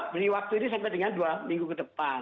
beri waktu ini sampai dengan dua minggu ke depan